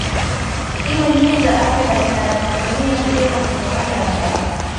timu nyingi za afrika zinajivunia kucheza kwenye uwanja wa mkapa